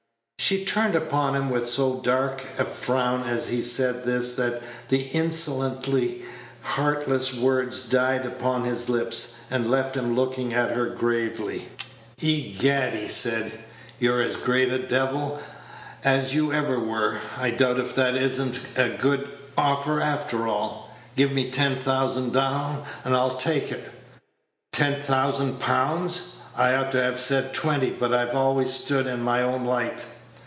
She turned upon him with so dark a frown as he said this that the insolently heartless words died upon his lips, and left him looking at her gravely. "Egad," he said, "you're as great a devil as ever you were. I doubt if that is n't a good offer after all. Give me ten thousand down, and I'll take it." "Ten thousand pounds!" "I ought to have said twenty, but I've always stood in my own light."